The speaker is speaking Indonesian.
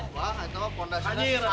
bang itu kondasinya